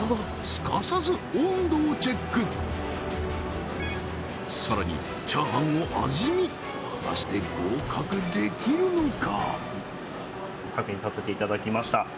すかさずさらにチャーハンを味見果たして合格できるのか？